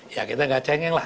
ya kita gak cengeng lah